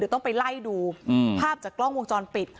ต้องไปไล่ดูภาพจากกล้องวงจรปิด